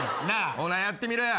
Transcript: ほなやってみろよ。